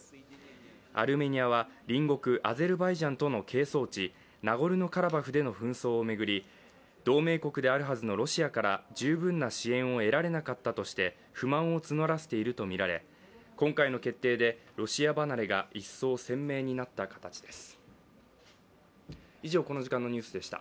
アルメニアは隣国アゼルバイジャンとの係争地、ナゴルノ・カラバフでの紛争を巡り同盟国であるはずのロシアから十分な支援を得られなかったとして不満を募らせているとみられ今回の決定でロシア離れが一層鮮明になった形です。